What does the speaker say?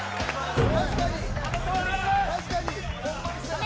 確かに。